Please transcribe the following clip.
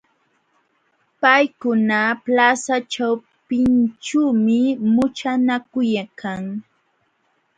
Paykuna plaza ćhawpinćhuumi muchanakuykan.